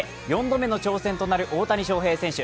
４度目の挑戦となる大谷翔平選手。